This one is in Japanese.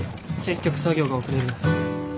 結局作業が遅れる。